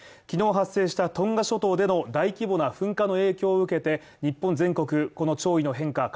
昨日発生したトンガ諸島での大規模な噴火の影響を受けて日本全国、この潮位の変化